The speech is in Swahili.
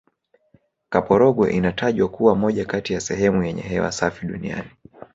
kaporogwe inatajwa kuwa moja kati ya sehemu yenye hewa safi duniani